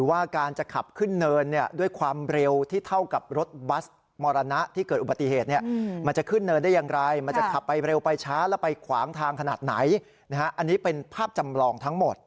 ว่าการจะขับขึ้นเนินเนี่ยด้วยความเร็วที่เท่ากับรถบัสมรณะที่เกิดอุบัติเหตุเนี่ยมันจะขึ้นเนินได้อย่างไรมันจะขับไปเร็วไปช้าแล้วไปขวางทางขนาดไหนอันนี้เป็นภาพจำลองทั้งหมด